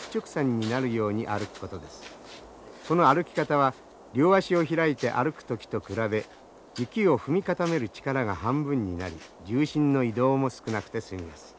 その歩き方は両足を開いて歩く時と比べ雪を踏み固める力が半分になり重心の移動も少なくて済みます。